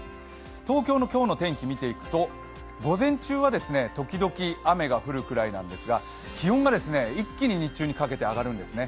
東京の今日の天気を見ていくと午前中は時々雨が降るくらいなんですが気温が、一気に日中にかけて上がるんですね。